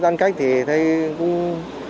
giang cách thì cũng